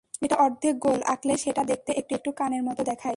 একটা অর্ধেক গোল আঁকলেই সেটা দেখতে একটু একটু কানের মতো দেখায়।